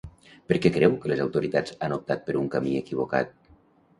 Per què creu que les autoritats han optat per un camí equivocat?